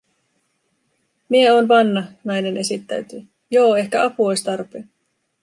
“Mie oon Vanna”, nainen esittäytyi, “joo, ehkä apu ois tarpeen”.